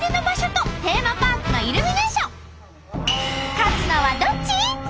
勝つのはどっち！？